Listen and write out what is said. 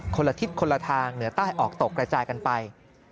คนละทิศคนละทางเหนือใต้ออกตกกระจายกันไป